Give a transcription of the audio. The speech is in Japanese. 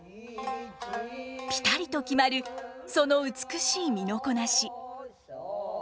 ピタリと決まるその美しい身のこなし。